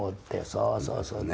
そうそうそう。